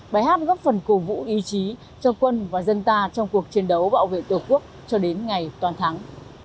bài hát góp phần cổ vũ ý chí cho quân và dân ta trong cuộc chiến đấu bảo vệ tổ quốc cho đến ngày toàn thắng